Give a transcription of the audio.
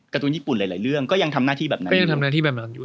คาตูนญี่ปุ่นหลายเรื่องก็ยังทำหน้าที่แบบนั้นอยู่